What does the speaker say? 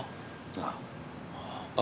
ああ。